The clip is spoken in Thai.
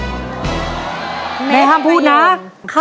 แล้ววันนี้ผมมีสิ่งหนึ่งนะครับเป็นตัวแทนกำลังใจจากผมเล็กน้อยครับ